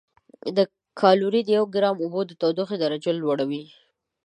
کالوري د یو ګرام اوبو د تودوخې درجه لوړوي.